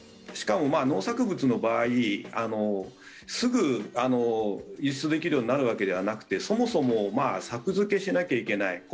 しかも農作物の場合すぐ輸出できるようになるわけではなくてそもそも作付けしなきゃいけない。